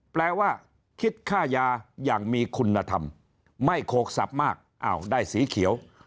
แปลว่าคิดค่ายาอย่างมีคุณธรรมไม่โขกสับมากอ้าวได้สีเขียว